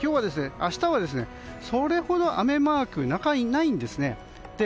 明日はそれほど雨マークないんですね。